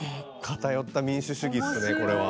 偏った民主主義っすねこれは。